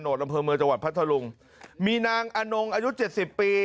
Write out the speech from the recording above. โน่นรำเผือเมือจังหวัดพัทธลุงมีนางอนงอายุ๗๐ปี